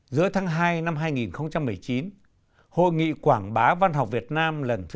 giữa tháng hai năm hai nghìn một mươi chín hội nghị quảng bá văn học việt nam lần thứ chín